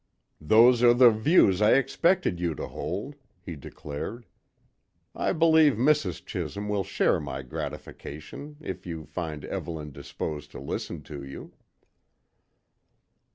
"Those are the views I expected you to hold," he declared. "I believe Mrs. Chisholm will share my gratification if you find Evelyn disposed to listen to you."